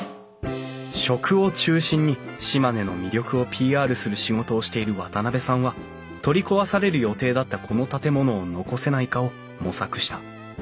食を中心に島根の魅力をＰＲする仕事をしている渡部さんは取り壊される予定だったこの建物を残せないかを模索した。